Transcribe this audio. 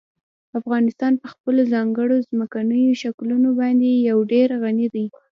افغانستان په خپلو ځانګړو ځمکنیو شکلونو باندې یو ډېر غني دی.